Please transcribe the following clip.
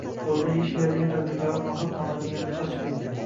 “Qo‘lidan ish keladigan tadbirkorlar nohaq qamalgan yoki qochib ketgan”